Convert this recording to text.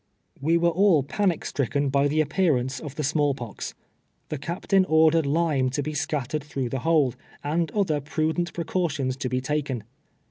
"We were all panic stricken by the appearance of the small pox. The captain ordered lime to be scat tered thruugh the hold, and other prudent precau tions to be taken.